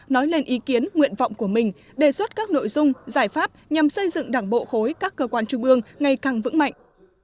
nói lên ý kiến nguyện vọng của mình đề xuất các nội dung giải pháp nhằm xây dựng đảng bộ khối các cơ quan trung ương ngày càng vững mạnh